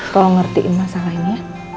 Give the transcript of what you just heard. tolong ngertiin masalah ini ya